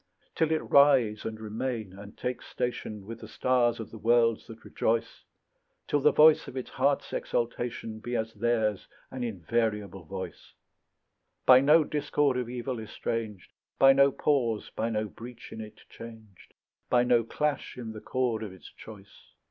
Till it rise and remain and take station With the stars of the worlds that rejoice; Till the voice of its heart's exultation Be as theirs an invariable voice; By no discord of evil estranged, By no pause, by no breach in it changed, By no clash in the chord of its choice.